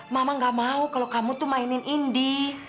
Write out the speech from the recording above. mama gak mau kalau kamu tuh mainin indi